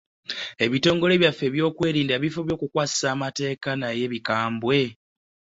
Ebitongole byaffe ebyokwerinda bifubye okukwasisa amateeka naye bikambwe.